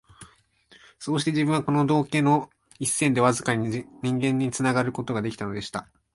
そうして自分は、この道化の一線でわずかに人間につながる事が出来たのでした